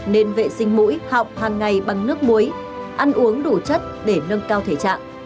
nên vệ sinh mũi họng hàng ngày bằng nước muối ăn uống đủ chất để nâng cao thể trạng